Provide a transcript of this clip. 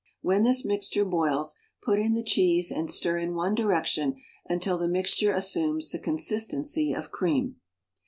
When this mixture boils, put in the cheese and stir in one direction until the mixture assumes the con sistency of cream.